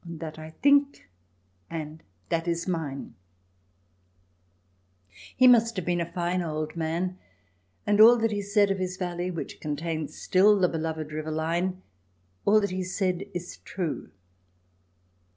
(" And that I think and that is mine "). He must have been a fine old man, and all that he said of his valley which contains still the " beloved " River Lein — all that he said is true.